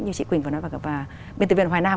như chị quỳnh vừa nói vào biên tập viên hoài nam